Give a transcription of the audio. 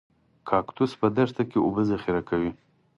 کاکتوس په دښته کې اوبه ذخیره کوي